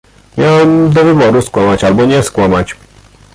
"Miałem do wyboru skłamać albo nie skłamać."